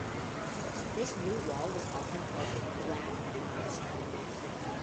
This new wall was often called The Black Monster.